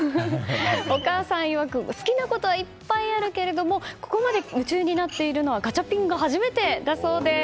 お母さんいわく好きなことはいっぱいあるけれどもここまで夢中になっているのはガチャピンが初めてだそうです。